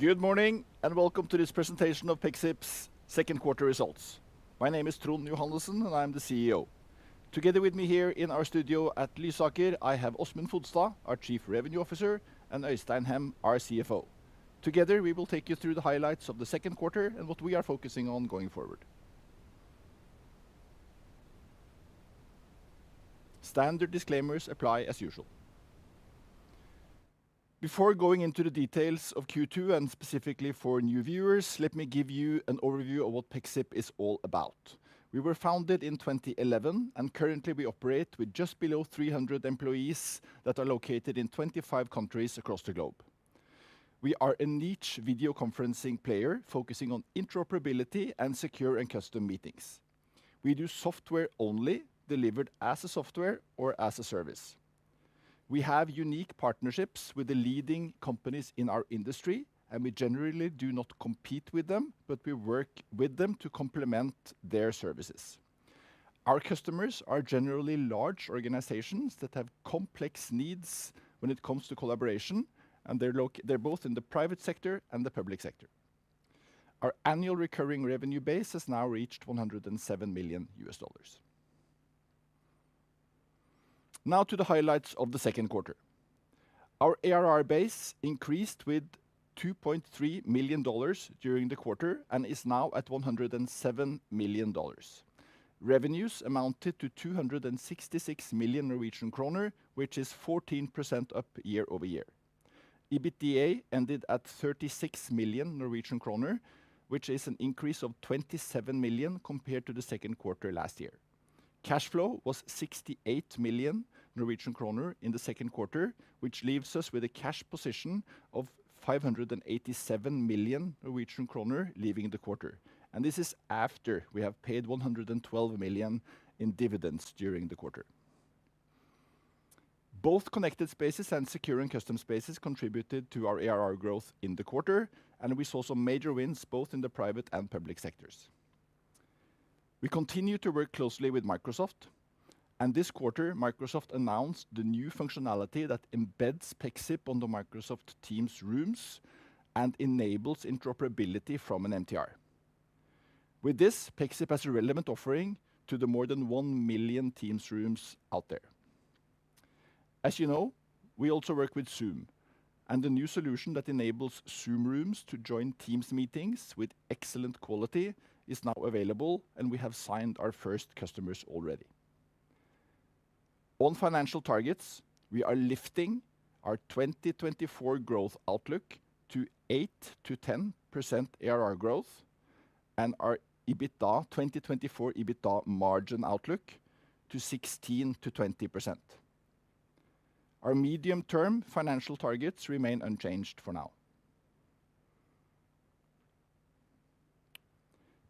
Good morning, and welcome to this Presentation of Pexip's Second Quarter Results. My name is Trond Johannessen, and I'm the CEO. Together with me here in our studio at Lysaker, I have Åsmund Fodstad, our Chief Revenue Officer, and Øystein Hem, our CFO. Together, we will take you through the highlights of the second quarter and what we are focusing on going forward. Standard disclaimers apply as usual. Before going into the details of Q2 and specifically for new viewers, let me give you an overview of what Pexip is all about. We were founded in 2011, and currently we operate with just below 300 employees that are located in 25 countries across the globe. We are a niche video conferencing player, focusing on interoperability and secure and custom meetings. We do software only, delivered as a software or as a service. We have unique partnerships with the leading companies in our industry, and we generally do not compete with them, but we work with them to complement their services. Our customers are generally large organizations that have complex needs when it comes to collaboration, and they're both in the private sector and the public sector. Our annual recurring revenue base has now reached $107 million. Now to the highlights of the second quarter. Our ARR base increased with $2.3 million during the quarter and is now at $107 million. Revenues amounted to 266 million Norwegian kroner, which is 14% up year-over-year. EBITDA ended at 36 million Norwegian kroner, which is an increase of 27 million compared to the second quarter last year. Cash flow was 68 million Norwegian kroner in the second quarter, which leaves us with a cash position of 587 million Norwegian kroner leaving the quarter, and this is after we have paid 112 million in dividends during the quarter. Both Connected Spaces and Secure and Custom Spaces contributed to our ARR growth in the quarter, and we saw some major wins both in the private and public sectors. We continue to work closely with Microsoft, and this quarter, Microsoft announced the new functionality that embeds Pexip on the Microsoft Teams Rooms and enables interoperability from an MTR. With this, Pexip has a relevant offering to the more than 1 million Teams Rooms out there. As you know, we also work with Zoom, and the new solution that enables Zoom Rooms to join Teams meetings with excellent quality is now available, and we have signed our first customers already. On financial targets, we are lifting our 2024 growth outlook to 8%-10% ARR growth and our 2024 EBITDA margin outlook to 16%-20%. Our medium-term financial targets remain unchanged for now.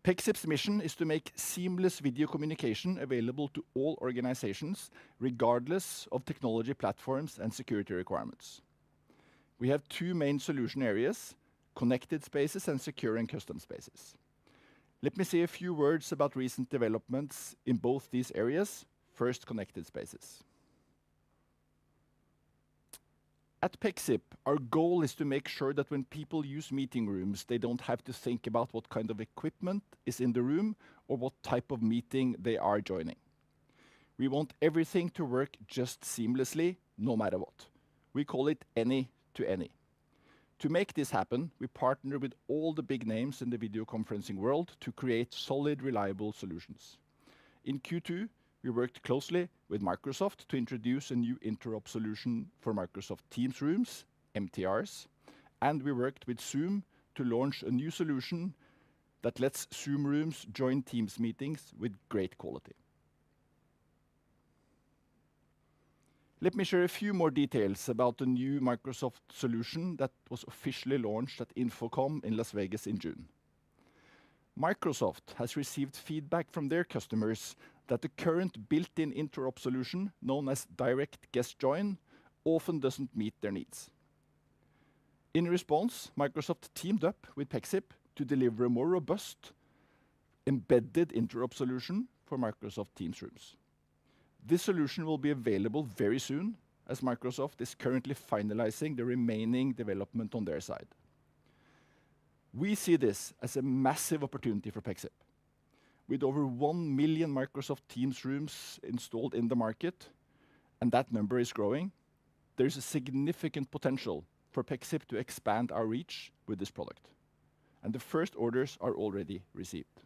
Pexip's mission is to make seamless video communication available to all organizations, regardless of technology platforms and security requirements. We have two main solution areas: Connected Spaces and Secure and Custom Spaces. Let me say a few words about recent developments in both these areas. First, Connected Spaces. At Pexip, our goal is to make sure that when people use meeting rooms, they don't have to think about what kind of equipment is in the room or what type of meeting they are joining. We want everything to work just seamlessly, no matter what. We call it any-to-any. To make this happen, we partner with all the big names in the video conferencing world to create solid, reliable solutions. In Q2, we worked closely with Microsoft to introduce a new interop solution for Microsoft Teams Rooms, MTRs, and we worked with Zoom to launch a new solution that lets Zoom Rooms join Teams meetings with great quality. Let me share a few more details about the new Microsoft solution that was officially launched at InfoComm in Las Vegas in June. Microsoft has received feedback from their customers that the current built-in interop solution, known as Direct Guest Join, often doesn't meet their needs. In response, Microsoft teamed up with Pexip to deliver a more robust, embedded interop solution for Microsoft Teams Rooms. This solution will be available very soon, as Microsoft is currently finalizing the remaining development on their side. We see this as a massive opportunity for Pexip. With over 1 million Microsoft Teams Rooms installed in the market, and that number is growing, there is a significant potential for Pexip to expand our reach with this product, and the first orders are already received.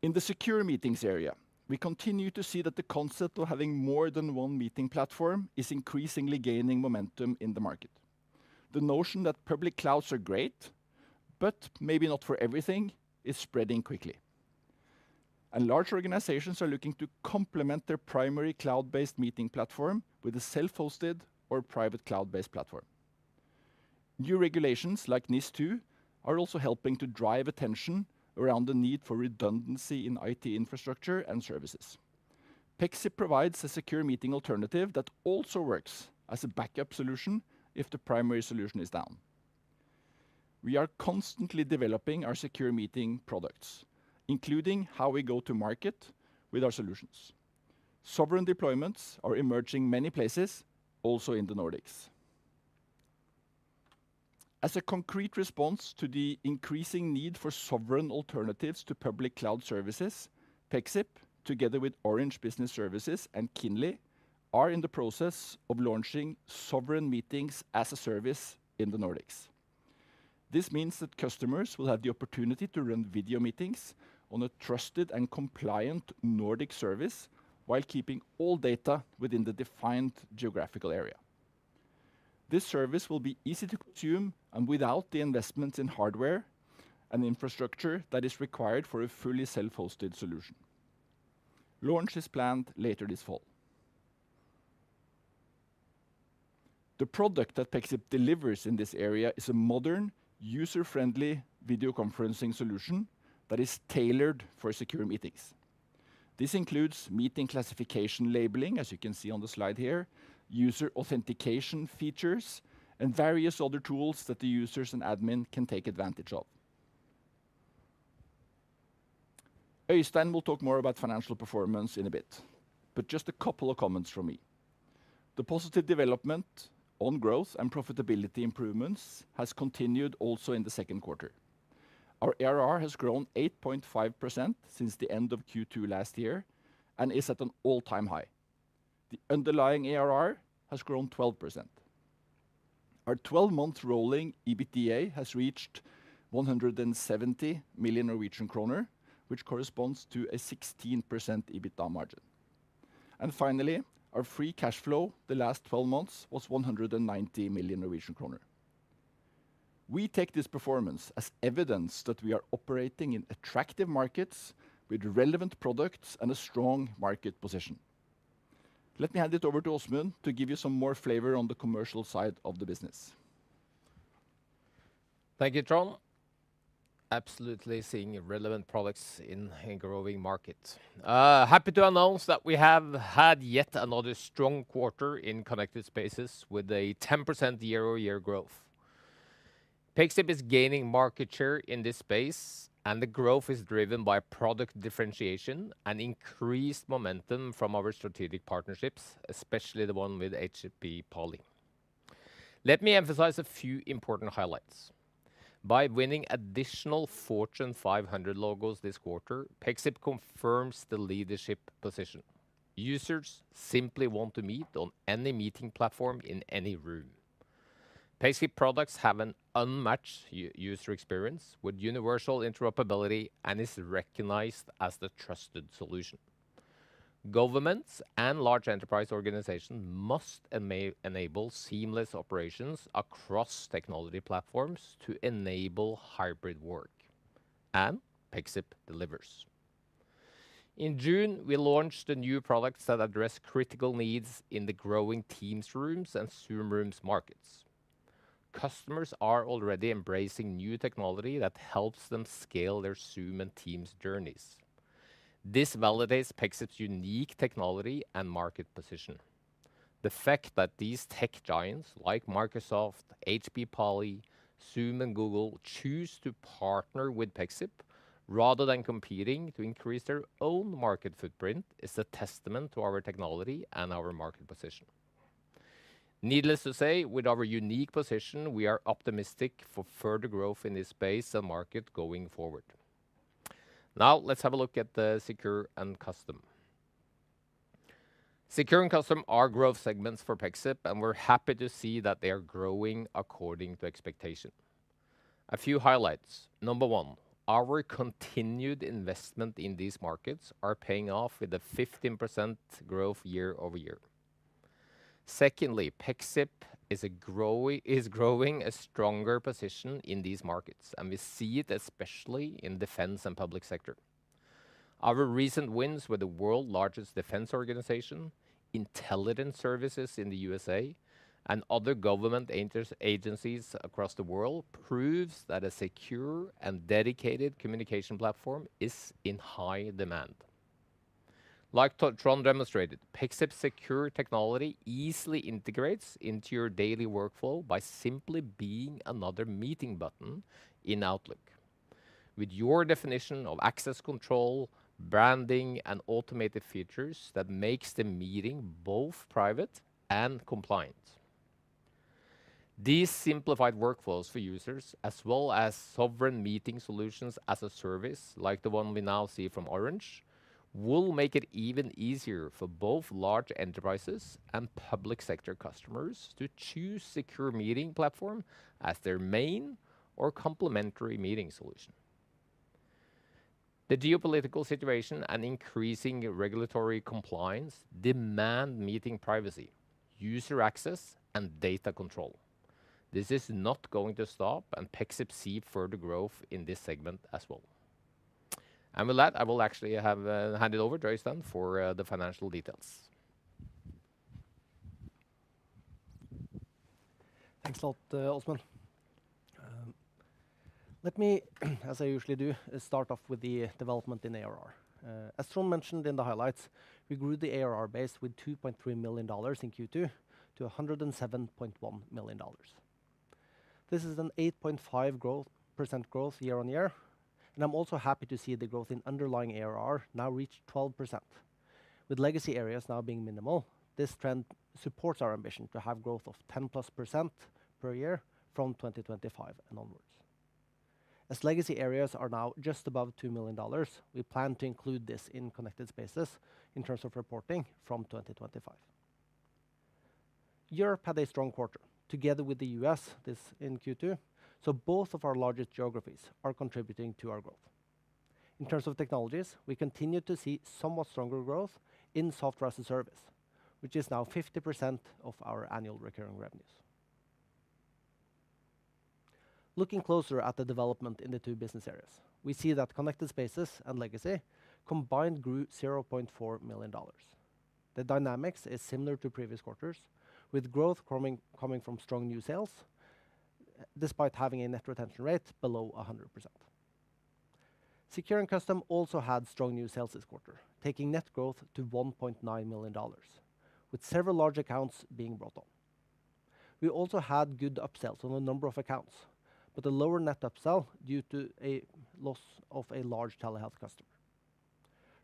In the secure meetings area, we continue to see that the concept of having more than one meeting platform is increasingly gaining momentum in the market. The notion that public clouds are great, but maybe not for everything, is spreading quickly. Large organizations are looking to complement their primary cloud-based meeting platform with a self-hosted or private cloud-based platform. New regulations like NIS2 are also helping to drive attention around the need for redundancy in IT infrastructure and services. Pexip provides a secure meeting alternative that also works as a backup solution if the primary solution is down. We are constantly developing our secure meeting products, including how we go to market with our solutions. Sovereign deployments are emerging many places, also in the Nordics. As a concrete response to the increasing need for sovereign alternatives to public cloud services, Pexip, together with Orange Business Services and Kinly, are in the process of launching sovereign meetings as a service in the Nordics. This means that customers will have the opportunity to run video meetings on a trusted and compliant Nordic service, while keeping all data within the defined geographical area. This service will be easy to consume and without the investment in hardware and infrastructure that is required for a fully self-hosted solution. Launch is planned later this fall. The product that Pexip delivers in this area is a modern, user-friendly video conferencing solution that is tailored for secure meetings. This includes meeting classification labeling, as you can see on the slide here, user authentication features, and various other tools that the users and admin can take advantage of. Øystein will talk more about financial performance in a bit, but just a couple of comments from me. The positive development on growth and profitability improvements has continued also in the second quarter. Our ARR has grown 8.5% since the end of Q2 last year and is at an all-time high. The underlying ARR has grown 12%. Our 12-month rolling EBITDA has reached 170 million Norwegian kroner, which corresponds to a 16% EBITDA margin. Finally, our free cash flow the last 12 months was 190 million Norwegian kroner. We take this performance as evidence that we are operating in attractive markets with relevant products and a strong market position. Let me hand it over to Åsmund to give you some more flavor on the commercial side of the business. Thank you, Trond. Absolutely seeing relevant products in a growing market. Happy to announce that we have had yet another strong quarter in Connected Spaces with 10% year-over-year growth. Pexip is gaining market share in this space, and the growth is driven by product differentiation and increased momentum from our strategic partnerships, especially the one with HP Poly. Let me emphasize a few important highlights. By winning additional Fortune 500 logos this quarter, Pexip confirms the leadership position. Users simply want to meet on any meeting platform in any room. Pexip products have an unmatched user experience with universal interoperability and is recognized as the trusted solution. Governments and large enterprise organizations must enable seamless operations across technology platforms to enable hybrid work, and Pexip delivers. In June, we launched the new products that address critical needs in the growing Teams Rooms and Zoom Rooms markets. Customers are already embracing new technology that helps them scale their Zoom and Teams journeys. This validates Pexip's unique technology and market position. The fact that these tech giants like Microsoft, HP Poly, Zoom, and Google choose to partner with Pexip rather than competing to increase their own market footprint, is a testament to our technology and our market position. Needless to say, with our unique position, we are optimistic for further growth in this space and market going forward. Now, let's have a look at the Secure and Custom. Secure and Custom are growth segments for Pexip, and we're happy to see that they are growing according to expectation. A few highlights. Number one, our continued investment in these markets are paying off with a 15% growth year-over-year. Secondly, Pexip is growing a stronger position in these markets, and we see it especially in defense and public sector. Our recent wins with the world's largest defense organization, intelligence services in the United States, and other government intelligence agencies across the world, proves that a secure and dedicated communication platform is in high demand. Like Trond demonstrated, Pexip secure technology easily integrates into your daily workflow by simply being another meeting button in Outlook. With your definition of access control, branding, and automated features, that makes the meeting both private and compliant. These simplified workflows for users, as well as sovereign meeting solutions as a service, like the one we now see from Orange, will make it even easier for both large enterprises and public sector customers to choose secure meeting platform as their main or complementary meeting solution. The geopolitical situation and increasing regulatory compliance demand meeting privacy, user access, and data control. This is not going to stop, and Pexip see further growth in this segment as well. And with that, I will actually have hand it over to Øystein for the financial details. Thanks a lot, Åsmund. Let me, as I usually do, start off with the development in ARR. As Trond mentioned in the highlights, we grew the ARR base with $2.3 million in Q2 to $107.1 million. This is an 8.5% growth year-on-year, and I'm also happy to see the growth in underlying ARR now reach 12%. With legacy areas now being minimal, this trend supports our ambition to have growth of 10%+ per year from 2025 and onwards. As legacy areas are now just above $2 million, we plan to include this in Connected Spaces in terms of reporting from 2025. Europe had a strong quarter, together with the U.S., this in Q2, so both of our largest geographies are contributing to our growth. In terms of technologies, we continue to see somewhat stronger growth in Software as a Service, which is now 50% of our annual recurring revenues. Looking closer at the development in the two business areas, we see that Connected Spaces and legacy combined grew $0.4 million. The dynamics is similar to previous quarters, with growth coming from strong new sales, despite having a net retention rate below 100%. Secure and Custom also had strong new sales this quarter, taking net growth to $1.9 million, with several large accounts being brought on. We also had good upsells on a number of accounts, but a lower net upsell due to a loss of a large telehealth customer.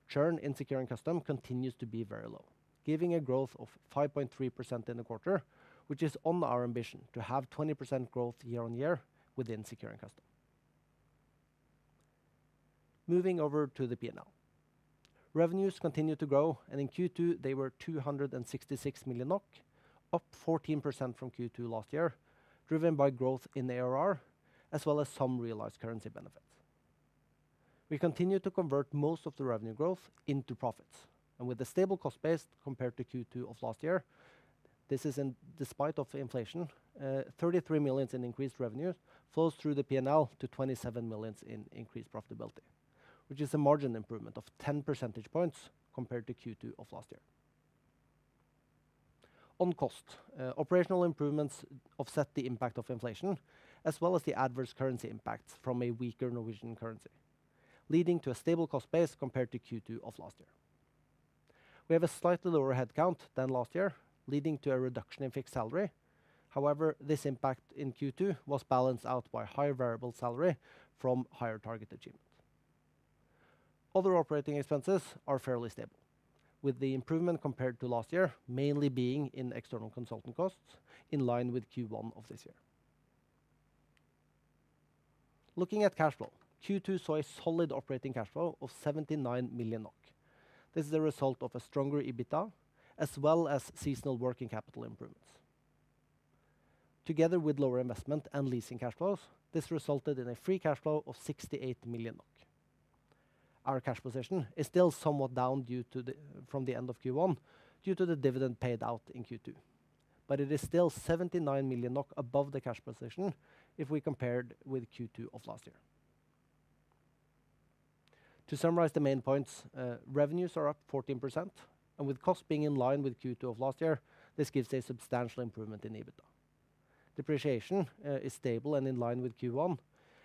Churn in Secure and Custom continues to be very low, giving a growth of 5.3% in the quarter, which is on our ambition to have 20% growth year-on-year within Secure and Custom. Moving over to the P&L. Revenues continued to grow, and in Q2, they were 266 million NOK, up 14% from Q2 last year, driven by growth in ARR, as well as some realized currency benefits. We continued to convert most of the revenue growth into profits, and with a stable cost base compared to Q2 of last year, this is in despite of inflation, 33 million in increased revenues flows through the P&L to 27 million in increased profitability, which is a margin improvement of 10 percentage points compared to Q2 of last year. On cost, operational improvements offset the impact of inflation, as well as the adverse currency impacts from a weaker Norwegian currency, leading to a stable cost base compared to Q2 of last year. We have a slightly lower headcount than last year, leading to a reduction in fixed salary. However, this impact in Q2 was balanced out by higher variable salary from higher target achievement. Other operating expenses are fairly stable, with the improvement compared to last year mainly being in external consultant costs, in line with Q1 of this year. Looking at cash flow, Q2 saw a solid operating cash flow of 79 million NOK. This is a result of a stronger EBITDA, as well as seasonal working capital improvements. Together with lower investment and leasing cash flows, this resulted in a free cash flow of 68 million. Our cash position is still somewhat down from the end of Q1, due to the dividend paid out in Q2, but it is still 79 million NOK above the cash position if we compared with Q2 of last year. To summarize the main points, revenues are up 14%, and with cost being in line with Q2 of last year, this gives a substantial improvement in EBITDA. Depreciation is stable and in line with Q1,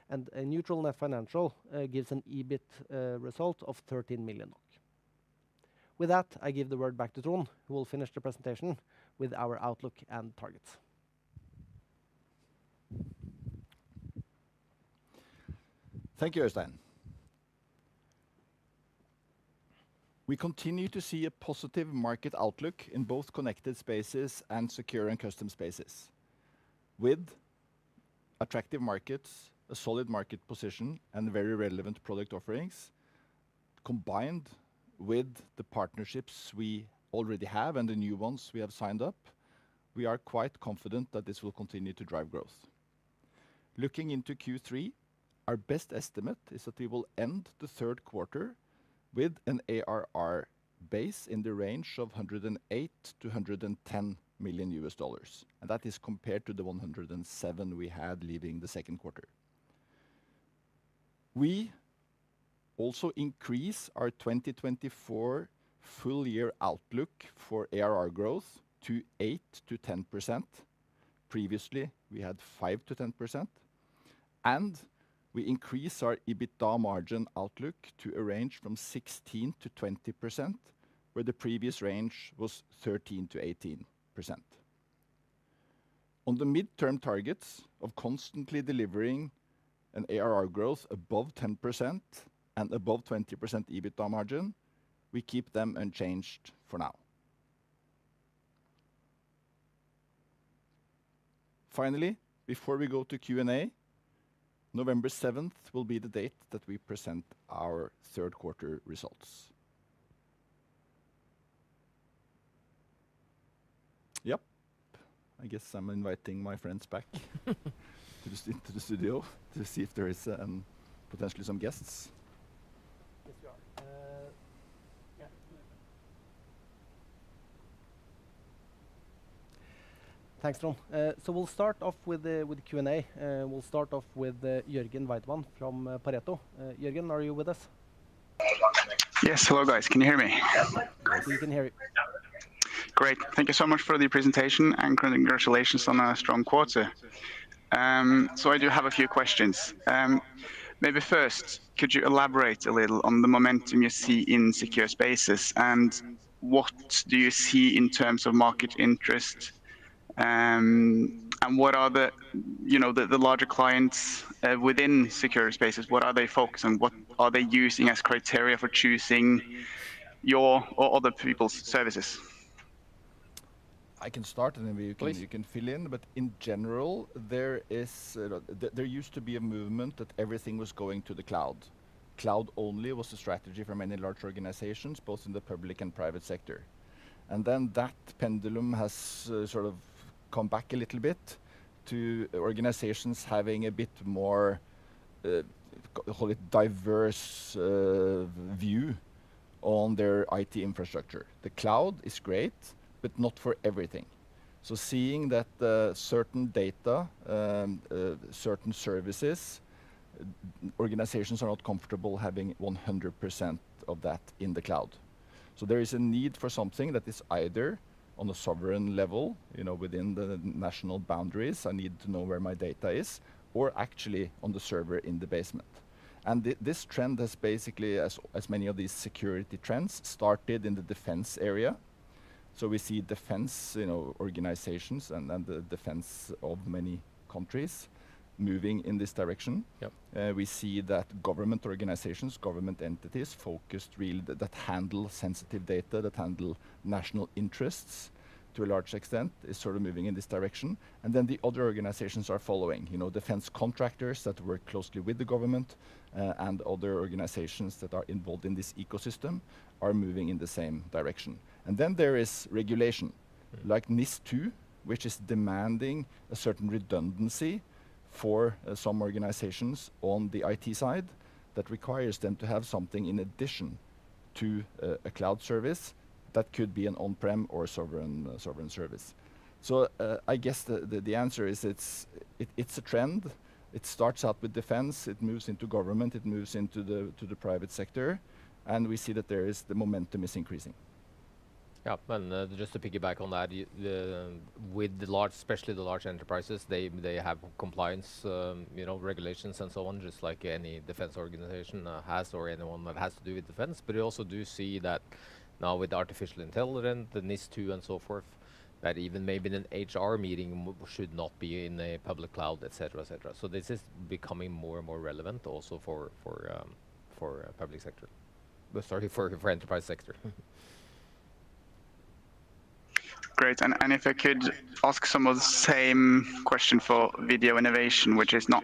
and a neutral net financial gives an EBIT result of 13 million. With that, I give the word back to Trond, who will finish the presentation with our outlook and targets. Thank you, Øystein. We continue to see a positive market outlook in both connected spaces and secure and custom spaces. With attractive markets, a solid market position, and very relevant product offerings, combined with the partnerships we already have and the new ones we have signed up, we are quite confident that this will continue to drive growth. Looking into Q3, our best estimate is that we will end the third quarter with an ARR base in the range of $108 million-$110 million, and that is compared to the 107 we had leaving the second quarter. We also increase our 2024 full year outlook for ARR growth to 8%-10%. Previously, we had 5%-10%, and we increase our EBITDA margin outlook to a range from 16%-20%, where the previous range was 13%-18%. On the midterm targets of constantly delivering an ARR growth above 10% and above 20% EBITDA margin, we keep them unchanged for now. Finally, before we go to Q&A, November seventh will be the date that we present our third quarter results. Yep, I guess I'm inviting my friends back to the studio to see if there is potentially some guests. Yes, we are. Yeah. Thanks, Trond. So we'll start off with the Q&A. We'll start off with Jørgen Weidemann from Pareto. Jørgen, are you with us? Yes. Hello, guys. Can you hear me? We can hear you. Great. Thank you so much for the presentation, and congratulations on a strong quarter. So I do have a few questions. Maybe first, could you elaborate a little on the momentum you see in secure spaces, and what do you see in terms of market interest? And what are the, you know, the larger clients within secure spaces, what are they focused on? What are they using as criteria for choosing your or other people's services? I can start, and then you can- Please... you can fill in. But in general, there used to be a movement that everything was going to the cloud. Cloud-only was the strategy for many large organizations, both in the public and private sector. And then that pendulum has sort of come back a little bit to organizations having a bit more, call it diverse, view on their IT infrastructure. The cloud is great, but not for everything. So seeing that, certain data, certain services, organizations are not comfortable having 100% of that in the cloud. So there is a need for something that is either on a sovereign level, you know, within the national boundaries, I need to know where my data is, or actually on the server in the basement. This trend has basically, as many of these security trends, started in the defense area. We see defense, you know, organizations and the defense of many countries moving in this direction. Yep. We see that government organizations, government entities focused really that handle sensitive data, that handle national interests to a large extent, is sort of moving in this direction, and then the other organizations are following. You know, defense contractors that work closely with the government, and other organizations that are involved in this ecosystem are moving in the same direction. And then there is regulation, like NIS2, which is demanding a certain redundancy for some organizations on the IT side that requires them to have something in addition to a cloud service. That could be an on-prem or sovereign, sovereign service. So, I guess the answer is it's a trend. It starts out with defense, it moves into government, it moves into the private sector, and we see that there is, the momentum is increasing. Yeah, and just to piggyback on that, the, with the large, especially the large enterprises, they, they have compliance, you know, regulations and so on, just like any defense organization, has or anyone that has to do with defense. But we also do see that now with artificial intelligence, the NIS2 and so forth, that even maybe an HR meeting should not be in a public cloud, et cetera, et cetera. So this is becoming more and more relevant also for, for, for public sector. But sorry, for, for enterprise sector. Great. And if I could ask some of the same question for Video Innovation, which is not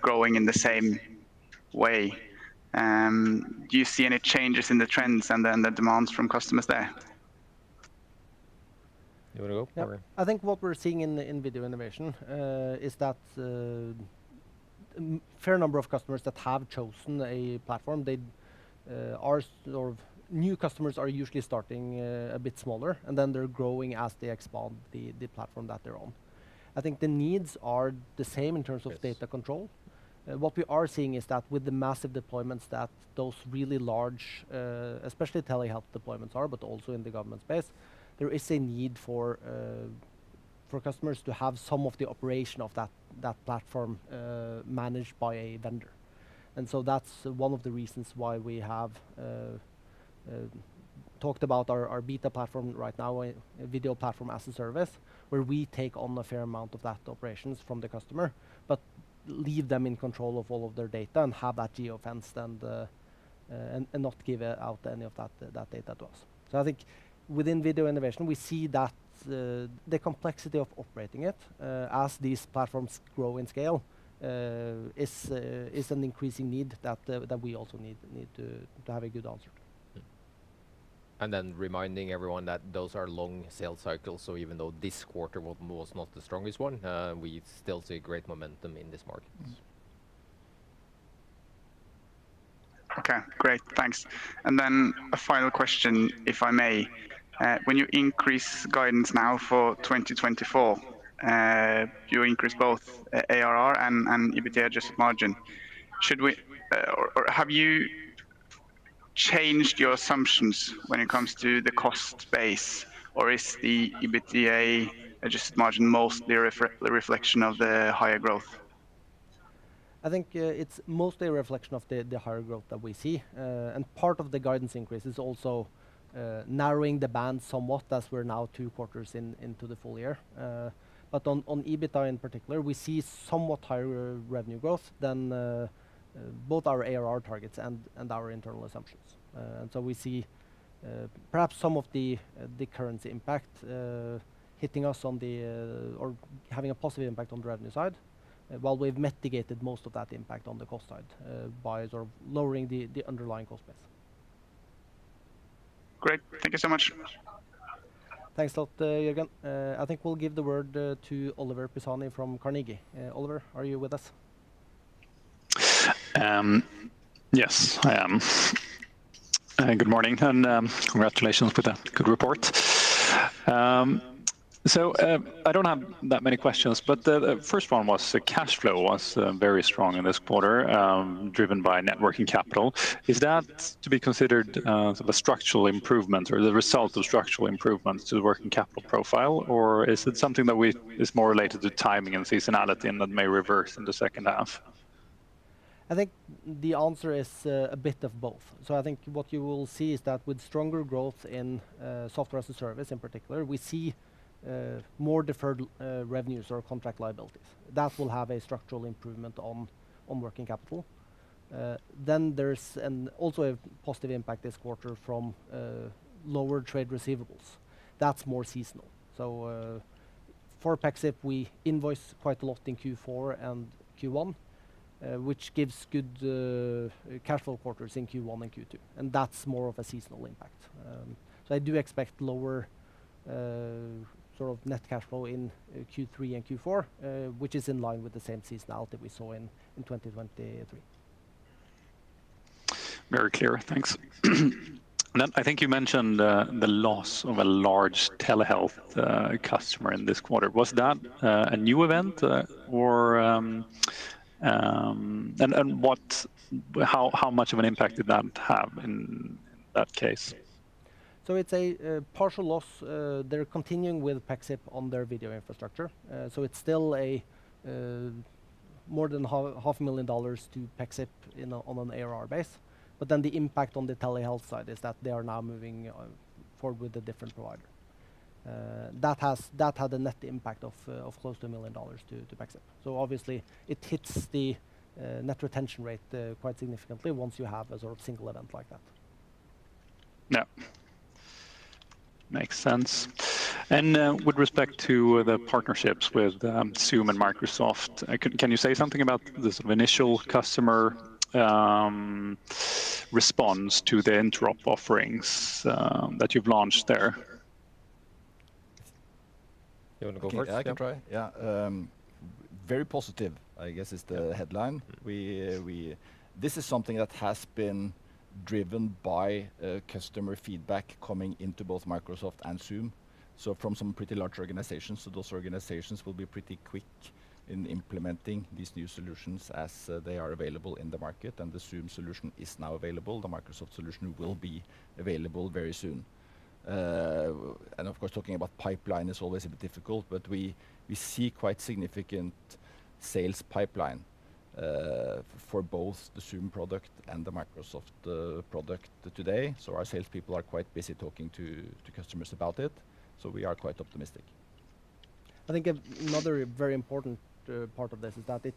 growing in the same way, do you see any changes in the trends and then the demands from customers there? You wanna go? Yeah. I think what we're seeing in Video Innovation is that a fair number of customers that have chosen a platform, they are sort of new customers are usually starting a bit smaller, and then they're growing as they expand the platform that they're on. I think the needs are the same in terms of- Yes... data control. What we are seeing is that with the massive deployments, that those really large, especially telehealth deployments are, but also in the government space, there is a need for customers to have some of the operation of that platform managed by a vendor. And so that's one of the reasons why we have talked about our beta platform right now, a video platform as a service, where we take on a fair amount of that operations from the customer, but leave them in control of all of their data and have that geofence then the, and not give out any of that data to us. So I think within Video Innovation, we see that the complexity of operating it as these platforms grow in scale is an increasing need that we also need to have a good answer to. Mm-hmm. And then reminding everyone that those are long sales cycles, so even though this quarter was not the strongest one, we still see great momentum in this market. Okay, great. Thanks. And then a final question, if I may. When you increase guidance now for 2024, you increase both ARR and EBITDA adjusted margin. Should we, or have you changed your assumptions when it comes to the cost base, or is the EBITDA adjusted margin mostly a reflection of the higher growth? I think, it's mostly a reflection of the higher growth that we see. And part of the guidance increase is also narrowing the band somewhat as we're now two quarters into the full year. But on EBITDA in particular, we see somewhat higher revenue growth than both our ARR targets and our internal assumptions. And so we see perhaps some of the currency impact hitting us on the or having a positive impact on the revenue side, while we've mitigated most of that impact on the cost side, by sort of lowering the underlying cost base. Great. Thank you so much. Thanks a lot, Jørgen. I think we'll give the word to Oliver Pisani from Carnegie. Oliver, are you with us? Yes, I am. Good morning, and congratulations with a good report. So, I don't have that many questions, but the first one was the cash flow was very strong in this quarter, driven by net working capital. Is that to be considered sort of a structural improvement or the result of structural improvements to the working capital profile? Or is it something that is more related to timing and seasonality, and that may reverse in the second half? I think the answer is, a bit of both. So I think what you will see is that with stronger growth in, software as a service, in particular, we see, more deferred, revenues or contract liabilities. That will have a structural improvement on working capital. Then there's also a positive impact this quarter from, lower trade receivables. That's more seasonal. So, for Pexip, we invoice quite a lot in Q4 and Q1, which gives good, cash flow quarters in Q1 and Q2, and that's more of a seasonal impact. So I do expect lower, sort of net cash flow in, Q3 and Q4, which is in line with the same seasonality we saw in 2023. Very clear. Thanks. And then I think you mentioned the loss of a large telehealth customer in this quarter. Was that a new event or ... and how much of an impact did that have in that case? So it's a partial loss. They're continuing with Pexip on their video infrastructure. So it's still more than $500,000 to Pexip on an ARR base. But then the impact on the telehealth side is that they are now moving forward with a different provider. That had a net impact of close to $1 million to Pexip. So obviously, it hits the net retention rate quite significantly once you have a sort of single event like that. Yeah. Makes sense. And, with respect to the partnerships with Zoom and Microsoft, can you say something about the sort of initial customer response to the interop offerings that you've launched there? You wanna go first? Yeah, I can try. Yeah, very positive, I guess is the headline. This is something that has been driven by customer feedback coming into both Microsoft and Zoom, so from some pretty large organizations. So those organizations will be pretty quick in implementing these new solutions as they are available in the market, and the Zoom solution is now available. The Microsoft solution will be available very soon. And of course, talking about pipeline is always a bit difficult, but we see quite significant sales pipeline for both the Zoom product and the Microsoft product today. So our salespeople are quite busy talking to customers about it, so we are quite optimistic. I think another very important part of this is that it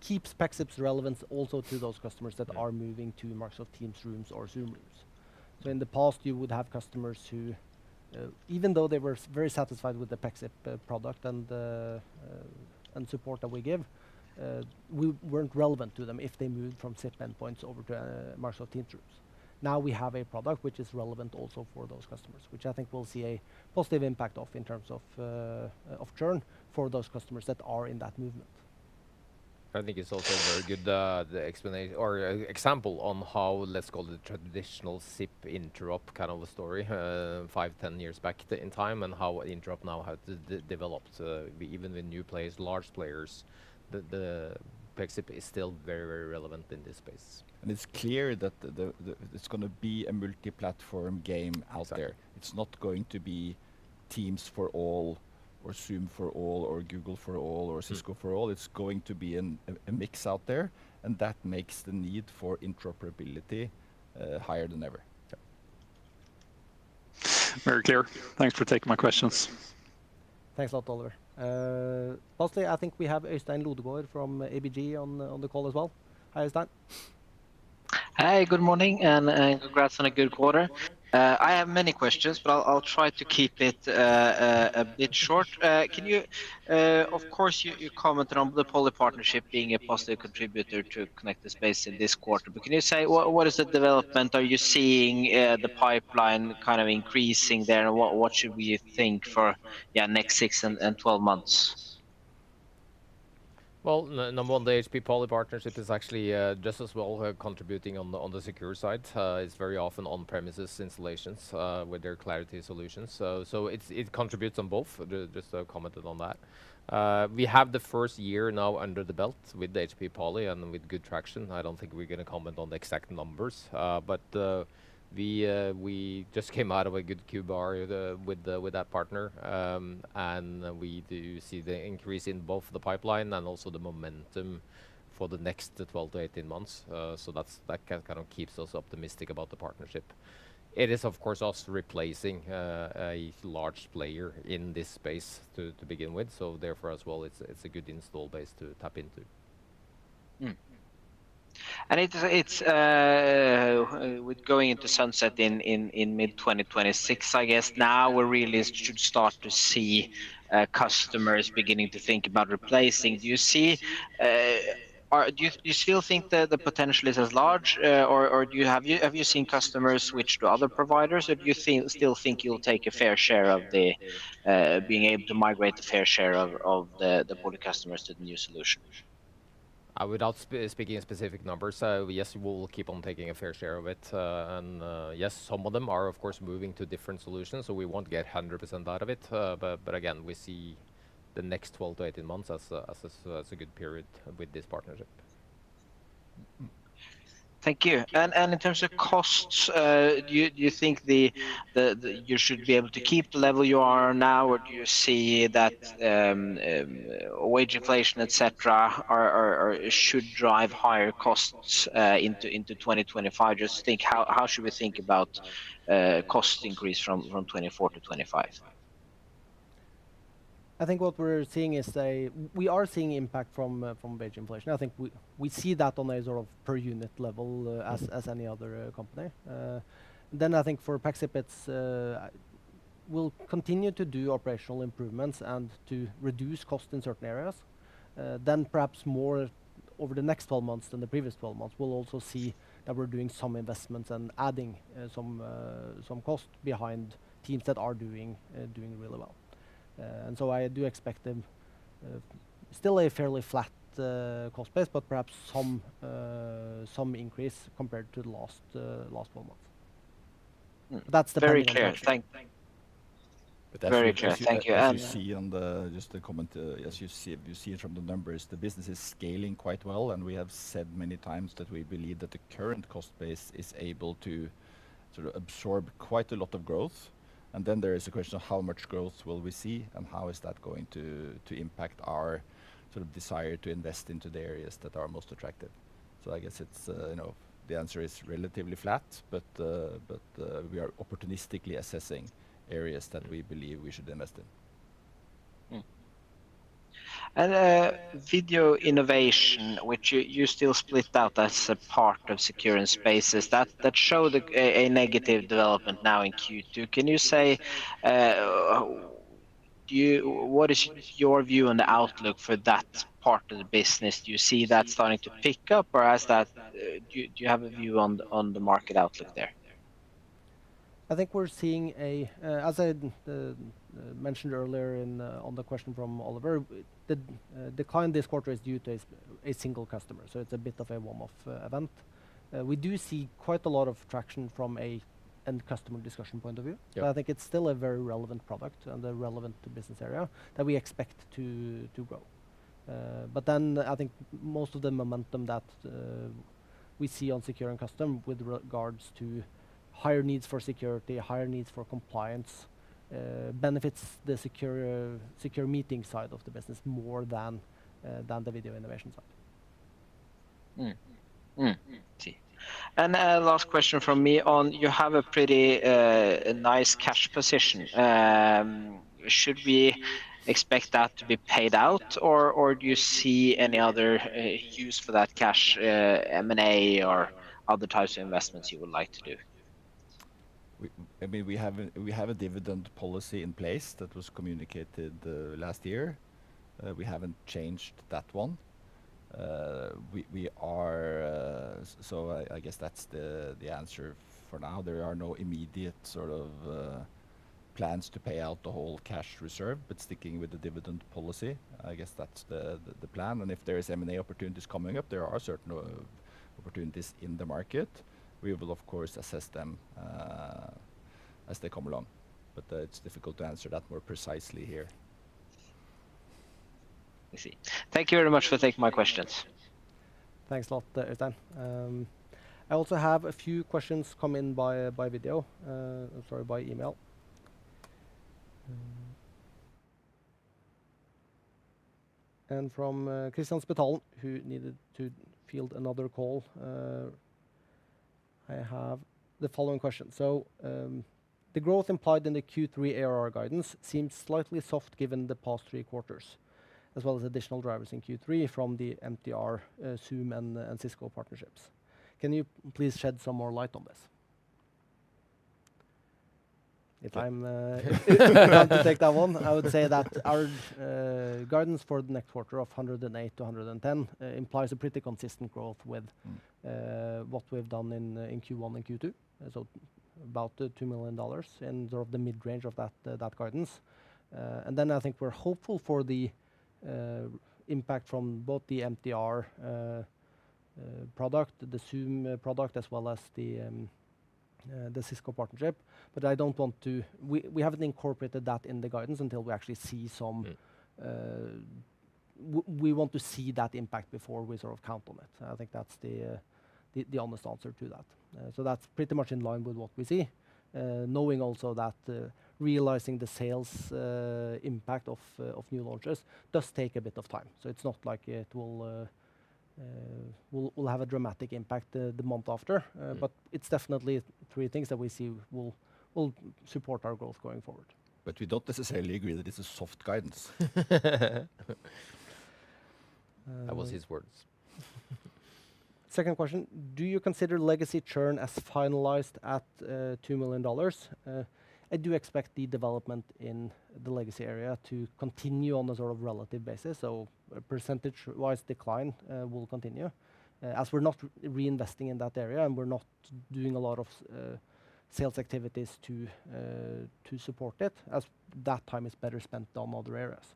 keeps Pexip's relevance also to those customers that are moving to Microsoft Teams Rooms or Zoom Rooms. So in the past, you would have customers who, even though they were very satisfied with the Pexip product and the, and support that we give, we weren't relevant to them if they moved from SIP endpoints over to Microsoft Teams Rooms. Now, we have a product which is relevant also for those customers, which I think will see a positive impact of, in terms of, of churn for those customers that are in that movement. I think it's also a very good explanation or example on how, let's call it the traditional SIP interop kind of a story, 5, 10 years back in time, and how interop now have developed, even with new players, large players. The Pexip is still very, very relevant in this space. It's clear that it's gonna be a multi-platform game out there. Exactly. It's not going to be Teams for all, or Zoom for all, or Google for all or Cisco for all. It's going to be a mix out there, and that makes the need for interoperability higher than ever. Very clear. Thanks for taking my questions. Thanks a lot, Oliver. Lastly, I think we have Øystein Lodgaard from ABG on the call as well. Hi, Øystein. Hi, good morning, and congrats on a good quarter. I have many questions, but I'll try to keep it a bit short. Can you... Of course, you commented on the Poly partnership being a positive contributor to Connected Spaces in this quarter, but can you say what the development is? Are you seeing the pipeline kind of increasing there, and what should we think for, yeah, next six and twelve months? Well, number one, the HP Poly partnership is actually just as well contributing on the secure side. It's very often on-premises installations with their Clariti solutions. So it contributes on both, just commented on that. We have the first year now under the belt with HP Poly and with good traction. I don't think we're gonna comment on the exact numbers, but we just came out of a good Q4 with that partner. And we do see the increase in both the pipeline and also the momentum for the next 12-18 months. So that's, that kind of keeps us optimistic about the partnership. It is, of course, also replacing a large player in this space to begin with, so therefore, as well, it's a good installed base to tap into. Mm. It's with going into sunset in mid-2026, I guess. Now we really should start to see customers beginning to think about replacing. Do you see... Do you still think that the potential is as large, or have you seen customers switch to other providers? Or do you still think you'll take a fair share of being able to migrate the fair share of the Poly customers to the new solution? Without speaking of specific numbers, yes, we'll keep on taking a fair share of it. And yes, some of them are, of course, moving to different solutions, so we won't get 100% out of it, but again, we see the next 12-18 months as a good period with this partnership. Thank you. And in terms of costs, do you think you should be able to keep the level you are now? Or do you see that wage inflation, et cetera, should drive higher costs into 2025? Just think, how should we think about cost increase from 2024 to 2025? I think what we're seeing is we are seeing impact from wage inflation. I think we see that on a sort of per unit level, as any other company. Then I think for Pexip, it's we'll continue to do operational improvements and to reduce cost in certain areas. Then perhaps more over the next twelve months than the previous twelve months, we'll also see that we're doing some investments and adding some cost behind teams that are doing really well. And so I do expect them still a fairly flat cost base, but perhaps some increase compared to the last twelve months. Mm, that's very clear. Thank you. Very clear. Thank you. And- As you see on the, just to comment, as you see, you see it from the numbers, the business is scaling quite well, and we have said many times that we believe that the current cost base is able to sort of absorb quite a lot of growth. And then there is a question of how much growth will we see, and how is that going to impact our sort of desire to invest into the areas that are most attractive? So I guess it's, you know, the answer is relatively flat, but, but we are opportunistically assessing areas that we believe we should invest in. Hmm. Video Innovation, which you still split out as a part of secure and spaces, shows a negative development now in Q2. What is your view on the outlook for that part of the business? Do you see that starting to pick up, or do you have a view on the market outlook there? I think we're seeing, as I mentioned earlier on the question from Oliver, the decline this quarter is due to a single customer, so it's a bit of a one-off event. We do see quite a lot of traction from an end customer discussion point of view. I think it's still a very relevant product and a relevant business area that we expect to grow. But then I think most of the momentum that we see on Secure and Custom with regards to higher needs for security, higher needs for compliance, benefits the Secure Meetings side of the business more than the Video Innovation side. Hmm. Hmm. I see. And a last question from me on, you have a pretty nice cash position. Should we expect that to be paid out, or, or do you see any other use for that cash, M&A or other types of investments you would like to do? I mean, we have a dividend policy in place that was communicated last year. We haven't changed that one. So I guess that's the answer for now. There are no immediate sort of plans to pay out the whole cash reserve, but sticking with the dividend policy, I guess that's the plan. And if there is M&A opportunities coming up, there are certain opportunities in the market, we will of course assess them as they come along. But it's difficult to answer that more precisely here. I see. Thank you very much for taking my questions. Thanks a lot, Øystein. I also have a few questions come in by email. And from Kristian Spetalen, who needed to field another call, I have the following question. So, the growth implied in the Q3 ARR guidance seems slightly soft, given the past three quarters, as well as additional drivers in Q3 from the MTR, Zoom and Cisco partnerships. Can you please shed some more light on this? If I'm to take that one, I would say that our guidance for the next quarter of $108-$110 implies a pretty consistent growth with what we've done in Q1 and Q2. So about the $2 million and sort of the mid-range of that, that guidance. And then I think we're hopeful for the impact from both the MTR product, the Zoom product, as well as the Cisco partnership. But I don't want to. We haven't incorporated that in the guidance until we actually see some. We want to see that impact before we sort of count on it. I think that's the honest answer to that. So that's pretty much in line with what we see, knowing also that realizing the sales impact of new launches does take a bit of time. So it's not like it will have a dramatic impact the month after. But it's definitely three things that we see will support our growth going forward. But we don't necessarily agree that it's a soft guidance. That was his words. Second question: Do you consider legacy churn as finalized at $2 million? I do expect the development in the legacy area to continue on a sort of relative basis, so a percentage-wise decline will continue, as we're not reinvesting in that area, and we're not doing a lot of sales activities to to support it, as that time is better spent on other areas.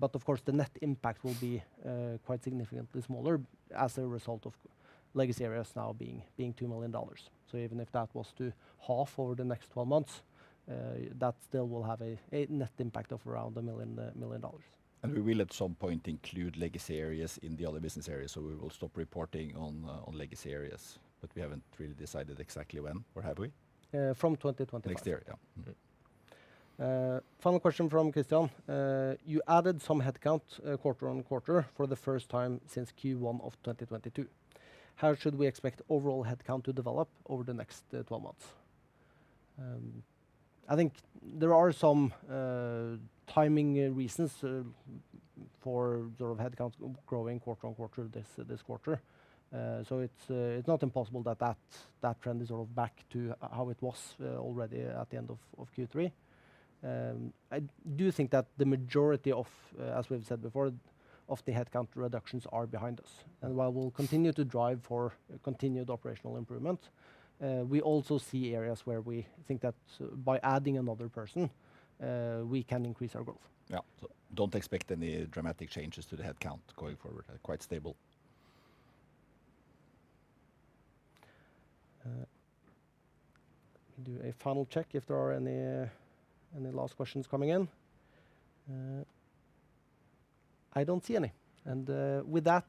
But of course, the net impact will be quite significantly smaller as a result of legacy areas now being being $2 million. So even if that was to half over the next 12 months, that still will have a a net impact of around $1 million. We will, at some point, include legacy areas in the other business areas, so we will stop reporting on legacy areas. But we haven't really decided exactly when, or have we? From 2025. Next year, yeah. Mm-hmm. Final question from Christian: You added some headcount quarter on quarter for the first time since Q1 of 2022. How should we expect overall headcount to develop over the next 12 months? I think there are some timing reasons for sort of headcounts growing quarter on quarter this quarter. So it's not impossible that that trend is sort of back to how it was already at the end of Q3. I do think that the majority of, as we've said before, the headcount reductions are behind us. While we'll continue to drive for continued operational improvement, we also see areas where we think that by adding another person, we can increase our growth. Yeah. So don't expect any dramatic changes to the headcount going forward, quite stable. We do a final check if there are any, any last questions coming in. I don't see any. And, with that,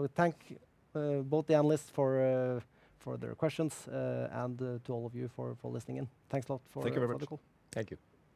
we thank both the analysts for, for their questions, and, to all of you for, for listening in. Thanks a lot for- Thank you very much.... for the call. Thank you.